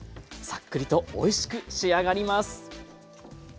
さっくりとおいしく仕上がります。